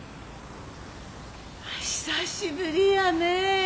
久しぶりやね。